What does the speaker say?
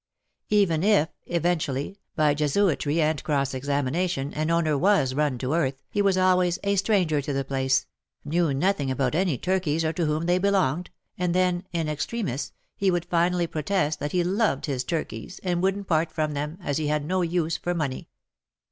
Even if, eventually, by Jesuitry and cross examination, an owner was run to earth, he was always a stranger to the place" — "knew nothing about any turkeys or to whom they belonged," and WAR AND WOMEN i8i then — in extremis — he would finally protest that he loved his turkeys and wouldn't part from them, as he had no use for money.